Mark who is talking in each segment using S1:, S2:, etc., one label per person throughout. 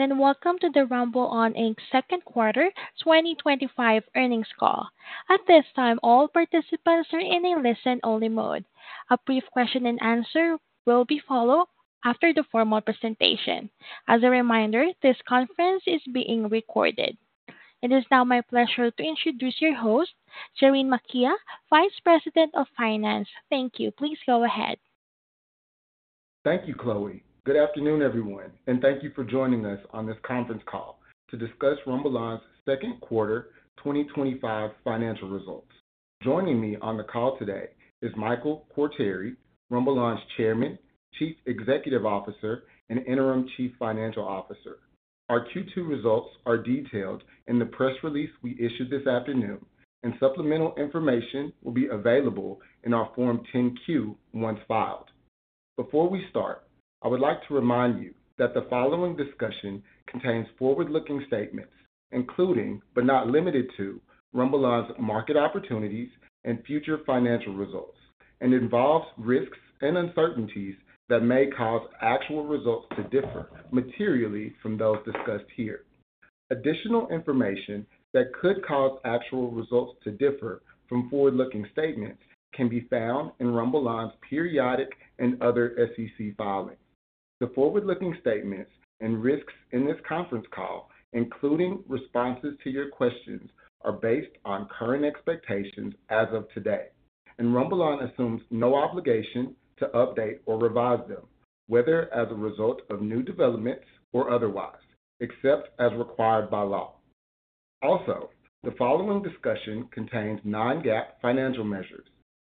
S1: Welcome to the RumbleOn Inc. Second Quarter 2025 Earnings Call. At this time, all participants are in a listen-only mode. A brief question-and-answer will follow after the formal presentation. As a reminder, this conference is being recorded. It is now my pleasure to introduce your host, Jerene Makia, Vice President of Finance. Thank you. Please go ahead.
S2: Thank you, Chloe. Good afternoon, everyone, and thank you for joining us on this conference call to discuss RumbleOn's Second Quarter 2025 Financial Results. Joining me on the call today is Michael Quartieri, RumbleOn's Chairman, Chief Executive Officer, and Interim Chief Financial Officer. Our Q2 results are detailed in the press release we issued this afternoon, and supplemental information will be available in our Form 10-Q once filed. Before we start, I would like to remind you that the following discussion contains forward-looking statements, including but not limited to RumbleON's market opportunities and future financial results, and involves risks and uncertainties that may cause actual results to differ materially from those discussed here. Additional information that could cause actual results to differ from forward-looking statements can be found in RumbleON's periodic and other SEC filings. The forward-looking statements and risks in this conference call, including responses to your questions, are based on current expectations as of today, and RumbleOn assumes no obligation to update or revise them, whether as a result of new developments or otherwise, except as required by law. Also, the following discussion contains non-GAAP financial measures.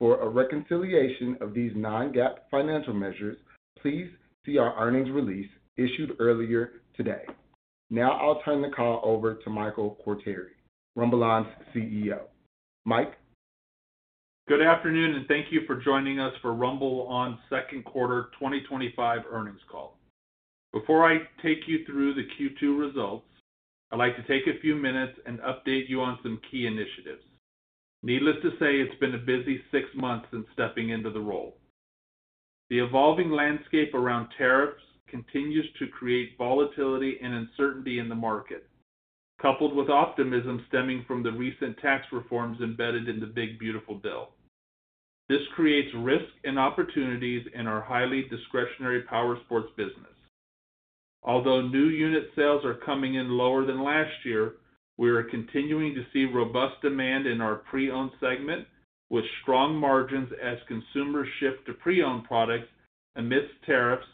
S2: For a reconciliation of these non-GAAP financial measures, please see our earnings release issued earlier today. Now, I'll turn the call over to Michael Quartieri, RumbleOn's CEO. Mike?
S3: Good afternoon, and thank you for joining us for RumbleOn's second quarter 2025 earnings call. Before I take you through the Q2 results, I'd like to take a few minutes and update you on some key initiatives. Needless to say, it's been a busy six months since stepping into the role. The evolving landscape around tariffs continues to create volatility and uncertainty in the market, coupled with optimism stemming from the recent tax reforms embedded in the Big Beautiful Bill. This creates risk and opportunities in our highly discretionary powersports business. Although new unit sales are coming in lower than last year, we are continuing to see robust demand in our pre-owned segment, with strong margins as consumers shift to pre-owned products amidst tariffs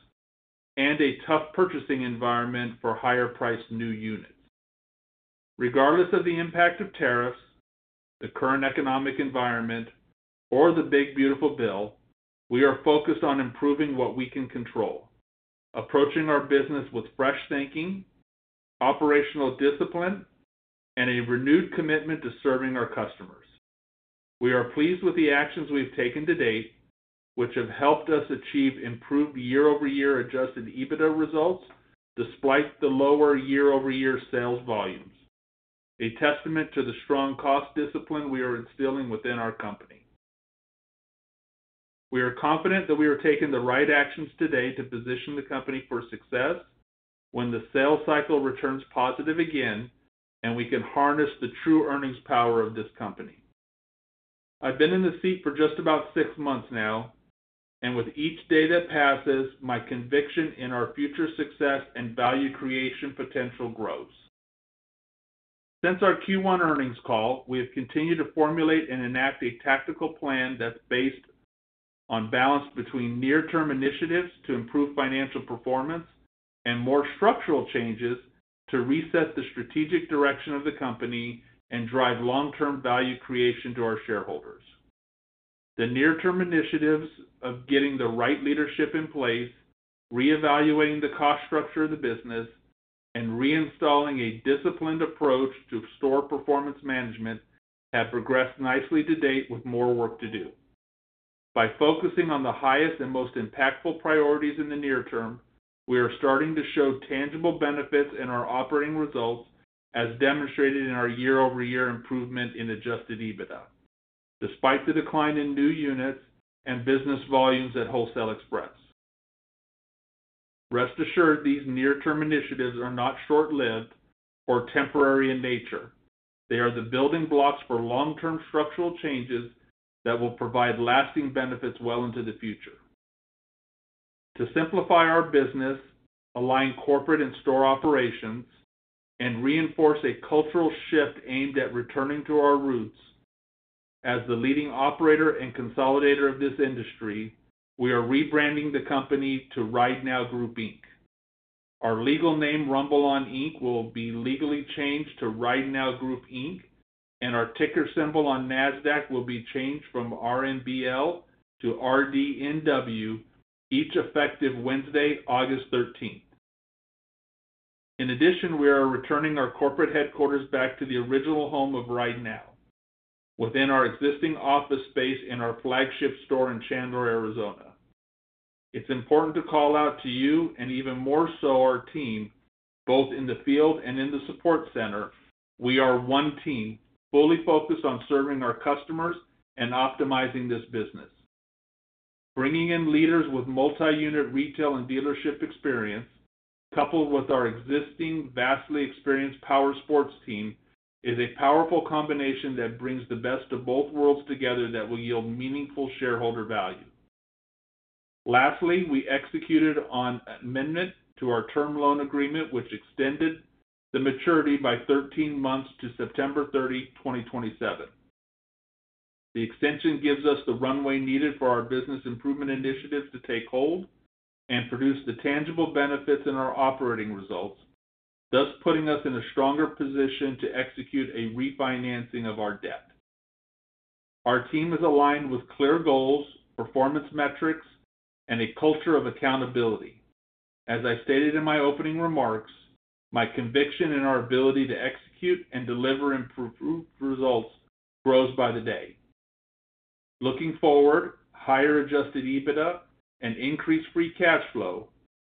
S3: and a tough purchasing environment for higher-priced new units. Regardless of the impact of tariffs, the current economic environment, or the Big Beautiful Bill, we are focused on improving what we can control, approaching our business with fresh thinking, operational discipline, and a renewed commitment to serving our customers. We are pleased with the actions we've taken to date, which have helped us achieve improved year-over-year adjusted EBITDA results, despite the lower year-over-year sales volumes, a testament to the strong cost discipline we are instilling within our company. We are confident that we are taking the right actions today to position the company for success when the sales cycle returns positive again, and we can harness the true earnings power of this company. I've been in the seat for just about six months now, and with each day that passes, my conviction in our future success and value creation potential grows. Since our Q1 earnings call, we have continued to formulate and enact a tactical plan that's based on balance between near-term initiatives to improve financial performance and more structural changes to reset the strategic direction of the company and drive long-term value creation to our shareholders. The near-term initiatives of getting the right leadership in place, reevaluating the cost structure of the business, and reinstalling a disciplined approach to store performance management have progressed nicely to date with more work to do. By focusing on the highest and most impactful priorities in the near term, we are starting to show tangible benefits in our operating results, as demonstrated in our year-over-year improvement in adjusted EBITDA, despite the decline in new units and business volumes at Wholesale Express. Rest assured, these near-term initiatives are not short-lived or temporary in nature. They are the building blocks for long-term structural changes that will provide lasting benefits well into the future. To simplify our business, align corporate and store operations, and reinforce a cultural shift aimed at returning to our roots, as the leading operator and consolidator of this industry, we are rebranding the company to Right Now Group Inc. Our legal name, RumbleON Inc., will be legally changed to Right Now Group Inc., and our ticker symbol on NASDAQ will be changed from RNBL to RDNW, each effective Wednesday, August 13, 2025. In addition, we are returning our corporate headquarters back to the original home of Right Now, within our existing office space and our flagship store in Chandler, Arizona. It's important to call out to you, and even more so our team, both in the field and in the support center, we are one team, fully focused on serving our customers and optimizing this business. Bringing in leaders with multi-unit retail and dealership experience, coupled with our existing vastly experienced powersports team, is a powerful combination that brings the best of both worlds together that will yield meaningful shareholder value. Lastly, we executed on an amendment to our term loan agreement, which extended the maturity by 13 months to September 30, 2027. The extension gives us the runway needed for our business improvement initiatives to take hold and produce the tangible benefits in our operating results, thus putting us in a stronger position to execute a refinancing of our debt. Our team is aligned with clear goals, performance metrics, and a culture of accountability. As I stated in my opening remarks, my conviction in our ability to execute and deliver improved results grows by the day. Looking forward, higher adjusted EBITDA and increased free cash flow,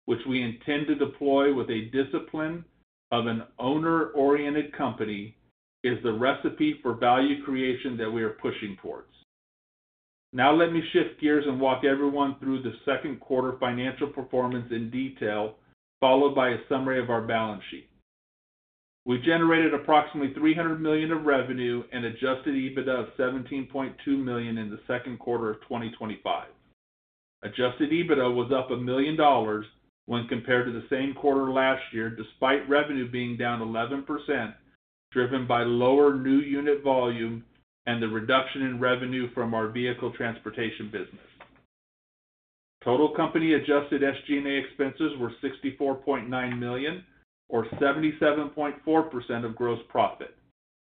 S3: which we intend to deploy with a discipline of an owner-oriented company, is the recipe for value creation that we are pushing towards. Now, let me shift gears and walk everyone through the second quarter financial performance in detail, followed by a summary of our balance sheet. We generated approximately $300 million of revenue and adjusted EBITDA of $17.2 million in the second quarter of 2025. Adjusted EBITDA was up $1 million when compared to the same quarter last year, despite revenue being down 11%, driven by lower new unit volume and the reduction in revenue from our vehicle transportation business. Total company adjusted SG&A expenses were $64.9 million, or 77.4% of gross profit,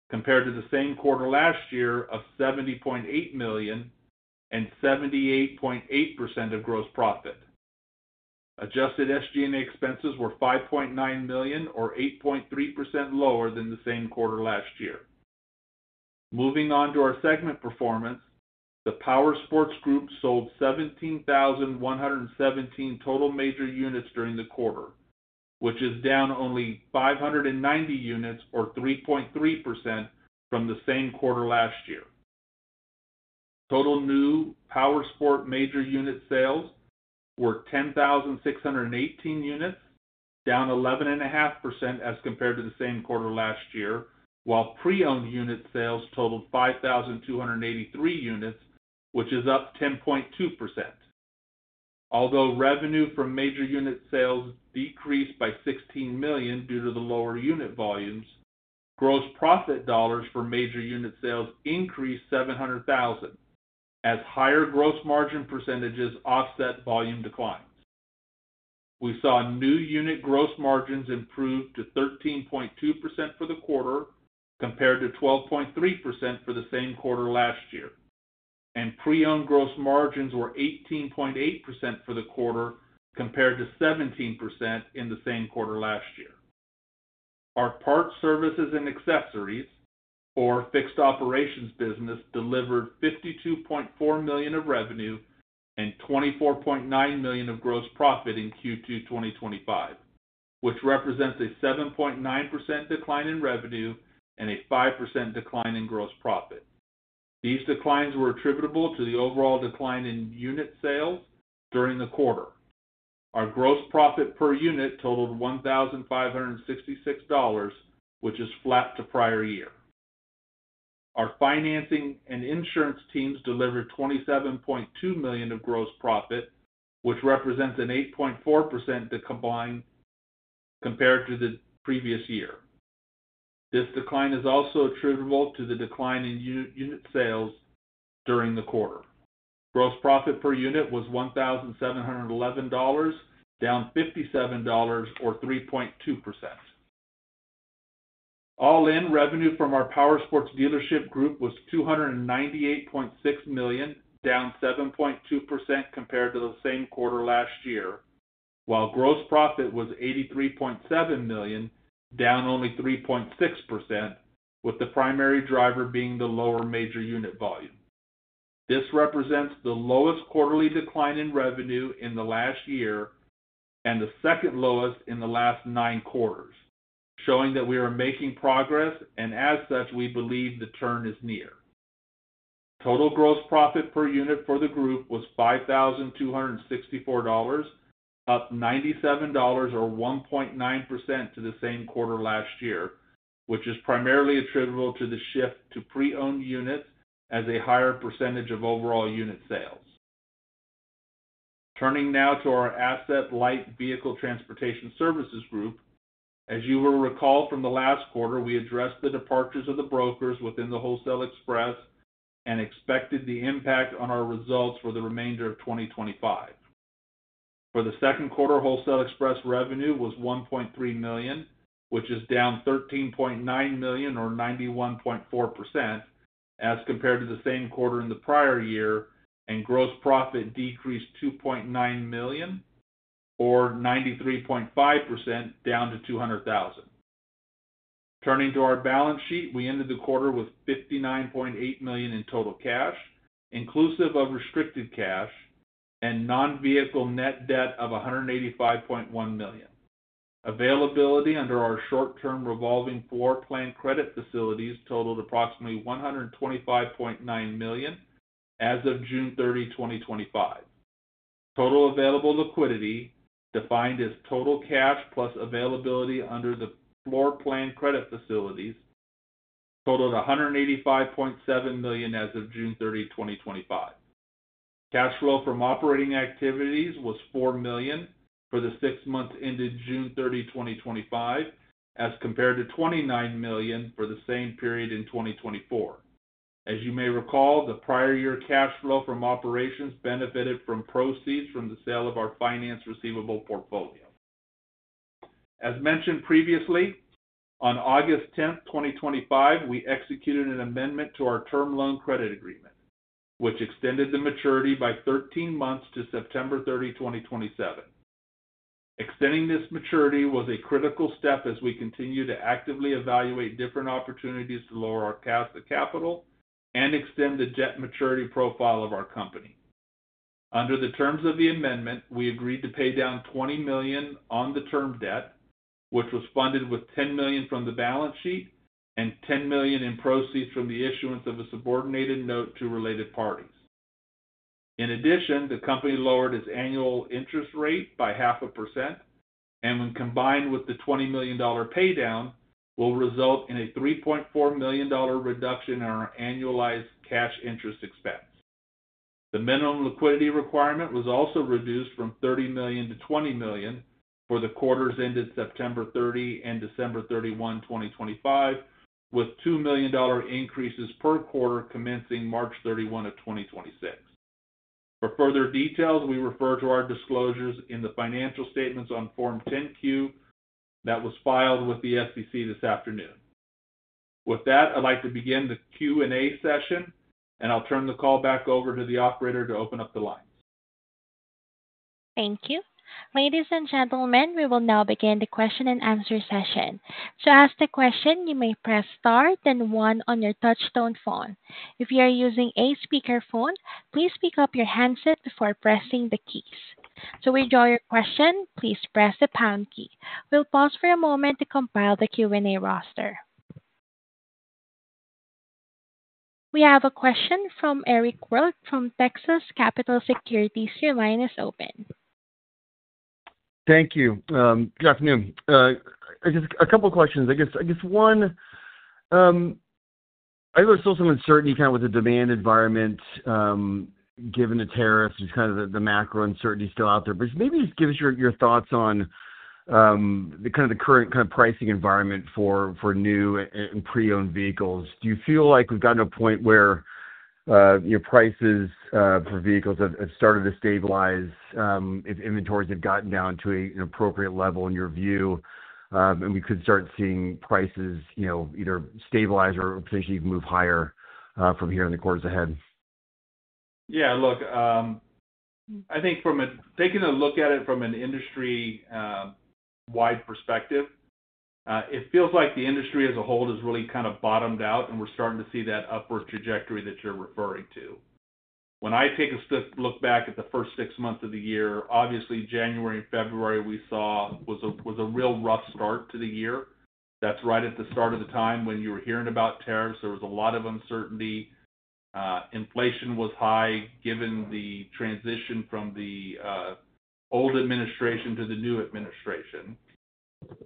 S3: compared to the same quarter last year of $70.8 million and 78.8% of gross profit. Adjusted SG&A expenses were $5.9 million, or 8.3% lower than the same quarter last year. Moving on to our segment performance, the powersports group sold 17,117 total major units during the quarter, which is down only 590 units, or 3.3% from the same quarter last year. Total new powersports major unit sales were 10,618 units, down 11.5% as compared to the same quarter last year, while pre-owned unit sales totaled 5,283 units, which is up 10.2%. Although revenue from major unit sales decreased by $16 million due to the lower unit volumes, gross profit dollars for major unit sales increased $700,000, as higher gross margin percentages offset volume declines. We saw new unit gross margins improve to 13.2% for the quarter, compared to 12.3% for the same quarter last year, and pre-owned gross margins were 18.8% for the quarter, compared to 17% in the same quarter last year. Our parts, services, and accessories, or fixed operations business, delivered $52.4 million of revenue and $24.9 million of gross profit in Q2 2025, which represents a 7.9% decline in revenue and a 5% decline in gross profit. These declines were attributable to the overall decline in unit sales during the quarter. Our gross profit per unit totaled $1,566, which is flat to prior year. Our financing and insurance teams delivered $27.2 million of gross profit, which represents an 8.4% decline compared to the previous year. This decline is also attributable to the decline in unit sales during the quarter. Gross profit per unit was $1,711, down $57, or 3.2%. All-in revenue from our powersports dealership group was $298.6 million, down 7.2% compared to the same quarter last year, while gross profit was $83.7 million, down only 3.6%, with the primary driver being the lower major unit volume. This represents the lowest quarterly decline in revenue in the last year and the second lowest in the last nine quarters, showing that we are making progress and, as such, we believe the turn is near. Total gross profit per unit for the group was $5,264, up $97, or 1.9% to the same quarter last year, which is primarily attributable to the shift to pre-owned units as a higher percentage of overall unit sales. Turning now to our asset light vehicle transportation services group, as you will recall from the last quarter, we addressed the departures of the brokers within Wholesale Express and expected the impact on our results for the remainder of 2025. For the second quarter, Wholesale Express revenue was $1.3 million, which is down $13.9 million, or 91.4% as compared to the same quarter in the prior year, and gross profit decreased $2.9 million, or 93.5%, down to $200,000. Turning to our balance sheet, we ended the quarter with $59.8 million in total cash, inclusive of restricted cash, and non-vehicle net debt of $185.1 million. Availability under our short-term revolving floor plan credit facilities totaled approximately $125.9 million as of June 30, 2025. Total available liquidity, defined as total cash plus availability under the floor plan credit facilities, totaled $185.7 million as of June 30, 2025. Cash flow from operating activities was $4 million for the six months ended June 30, 2025, as compared to $29 million for the same period in 2024. As you may recall, the prior year cash flow from operations benefited from proceeds from the sale of our finance receivable portfolio. As mentioned previously, on August 10, 2025, we executed an amendment to our term loan credit agreement, which extended the maturity by 13 months to September 30, 2027. Extending this maturity was a critical step as we continue to actively evaluate different opportunities to lower our capital and extend the debt maturity profile of our company. Under the terms of the amendment, we agreed to pay down $20 million on the term debt, which was funded with $10 million from the balance sheet and $10 million in proceeds from the issuance of a subordinated note to related parties. In addition, the company lowered its annual interest rate by half a percent, and when combined with the $20 million paydown, will result in a $3.4 million reduction in our annualized cash interest expense. The minimum liquidity requirement was also reduced from $30 million to $20 million for the quarters ended September 30 and December 31, 2025, with $2 million increases per quarter commencing March 31, 2026. For further details, we refer to our disclosures in the financial statements on Form 10-Q that was filed with the SEC this afternoon. With that, I'd like to begin the Q&A session, and I'll turn the call back over to the operator to open up the lines.
S1: Thank you. Ladies and gentlemen, we will now begin the question and answer session. To ask the question, you may press star then one on your touch-tone phone. If you are using a speaker phone, please pick up your handset before pressing the keys. To withdraw your question, please press the pound key. We'll pause for a moment to compile the Q&A roster. We have a question from Eric Wold from Texas Capital Securities. Your line is open.
S4: Thank you. Good afternoon. I have a couple of questions. One, I know there's still some uncertainty with the demand environment, given the tariffs, and the macroeconomic uncertainty still out there. Maybe just give us your thoughts on the current pricing environment for new and pre-owned vehicles. Do you feel like we've gotten to a point where your prices for vehicles have started to stabilize if inventories have gotten down to an appropriate level in your view, and we could start seeing prices either stabilize or potentially even move higher from here in the quarters ahead?
S3: Yeah, look, I think from taking a look at it from an industry-wide perspective, it feels like the industry as a whole has really kind of bottomed out, and we're starting to see that upward trajectory that you're referring to. When I take a look back at the first six months of the year, obviously January and February we saw was a real rough start to the year. That's right at the start of the time when you were hearing about tariffs. There was a lot of uncertainty. Inflation was high given the transition from the old administration to the new administration.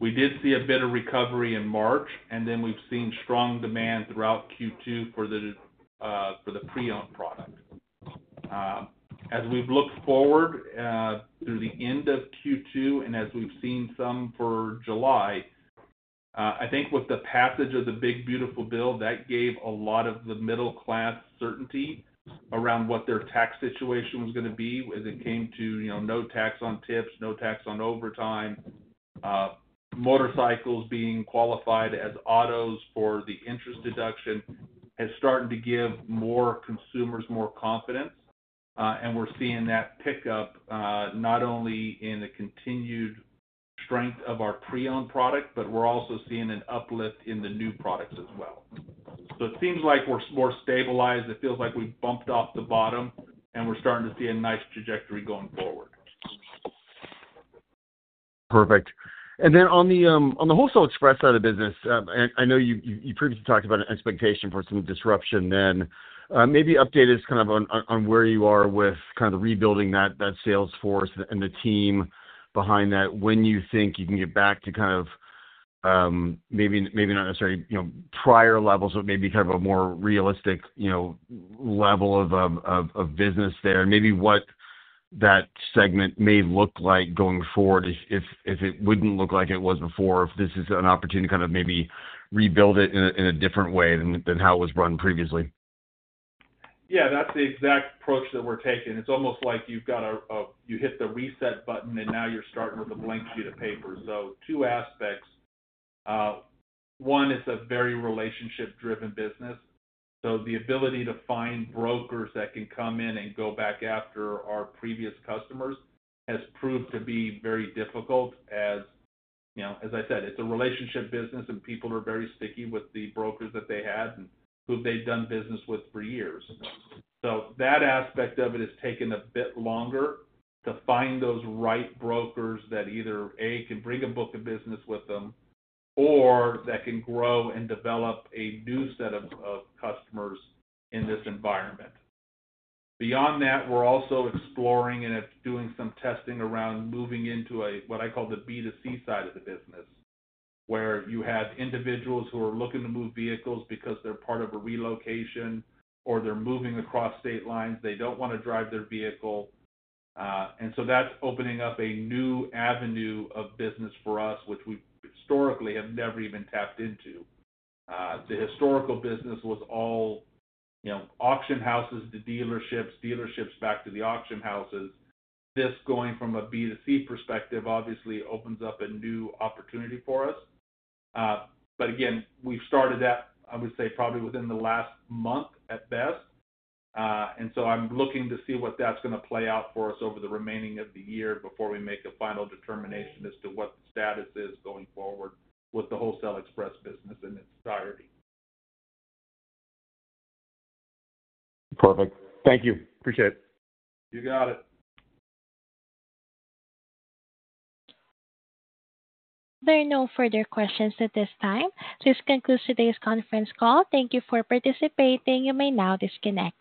S3: We did see a bit of recovery in March, and then we've seen strong demand throughout Q2 for the pre-owned product. As we've looked forward through the end of Q2 and as we've seen some for July, I think with the passage of the Big Beautiful Bill, that gave a lot of the middle-class certainty around what their tax situation was going to be as it came to, you know, no tax on tips, no tax on overtime, motorcycles being qualified as autos for the interest deduction, and starting to give more consumers more confidence. We're seeing that pickup not only in the continued strength of our pre-owned product, but we're also seeing an uplift in the new products as well. It seems like we're more stabilized. It feels like we've bumped off the bottom, and we're starting to see a nice trajectory going forward.
S4: Perfect. On the Wholesale Express side of the business, I know you previously talked about an expectation for some disruption. Maybe update us on where you are with rebuilding that sales force and the team behind that, when you think you can get back to maybe not necessarily prior levels, but maybe a more realistic level of business there. Maybe what that segment may look like going forward if it wouldn't look like it was before, if this is an opportunity to maybe rebuild it in a different way than how it was run previously.
S3: Yeah, that's the exact approach that we're taking. It's almost like you've got a, you hit the reset button and now you're starting with a blank sheet of paper. Two aspects. One, it's a very relationship-driven business. The ability to find brokers that can come in and go back after our previous customers has proved to be very difficult, as I said, it's a relationship business and people are very sticky with the brokers that they had and who they've done business with for years. That aspect of it has taken a bit longer to find those right brokers that either A, can bring a book of business with them, or that can grow and develop a new set of customers in this environment. Beyond that, we're also exploring and doing some testing around moving into what I call the B2C side of the business, where you have individuals who are looking to move vehicles because they're part of a relocation or they're moving across state lines. They don't want to drive their vehicle, and that's opening up a new avenue of business for us, which we historically have never even tapped into. The historical business was all auction houses to dealerships, dealerships back to the auction houses. This going from a B2C perspective obviously opens up a new opportunity for us. We've started that, I would say, probably within the last month at best. I'm looking to see what that's going to play out for us over the remaining of the year before we make a final determination as to what the status is going forward with the Wholesale Express business in its entirety.
S4: Perfect. Thank you. Appreciate it.
S3: You got it.
S1: There are no further questions at this time. This concludes today's conference call. Thank you for participating. You may now disconnect.